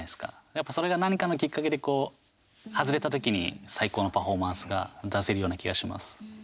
やっぱ、それが何かのきっかけでこう外れたときに最高のパフォーマンスが出せるような気がします。